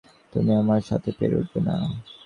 তুমি আমার সাথে পেরে উঠবে না।